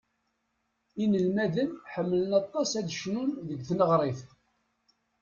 Inelmaden ḥemmlen aṭas ad cnun deg tneɣrit.